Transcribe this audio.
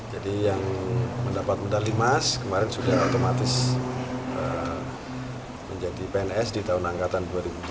jadi yang mendapat medali emas kemarin sudah otomatis menjadi pns di tahun angkatan dua ribu delapan belas